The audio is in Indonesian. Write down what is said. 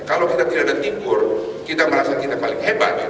kalau kita tidak ada timur kita merasa kita paling hebat